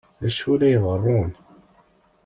D acu la iḍerrun?